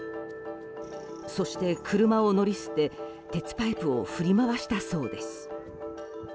そして、車を乗り捨て鉄パイプを振り回したそうです。